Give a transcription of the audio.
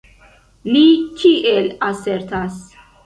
Li kiel asertas?